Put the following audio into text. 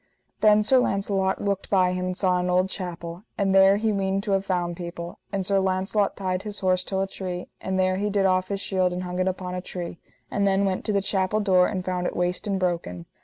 Then Sir Launcelot looked by him, and saw an old chapel, and there he weened to have found people; and Sir Launcelot tied his horse till a tree, and there he did off his shield and hung it upon a tree, and then went to the chapel door, and found it waste and broken.